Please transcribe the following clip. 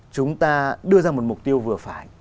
chúng ta đưa ra một mục tiêu vừa phải